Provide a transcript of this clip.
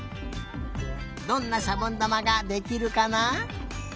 どんなしゃぼんだまができるかな？